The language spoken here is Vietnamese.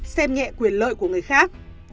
xem nhẹ quyền lợi của người khác